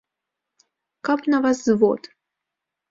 Каб на вас звод!